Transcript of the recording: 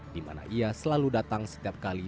di mana ia selalu datang setiap kali